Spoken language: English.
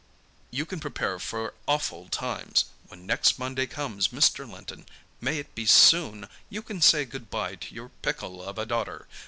You can prepare for awful times. When next Monday comes, Mr. Linton—may it be soon!—you can say good bye to your pickle of a daughter.